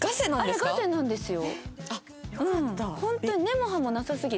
あれガセなんですよ。